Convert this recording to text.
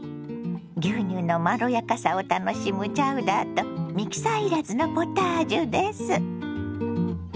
牛乳のまろやかさを楽しむチャウダーとミキサー要らずのポタージュです。